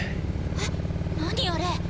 えっ何あれ？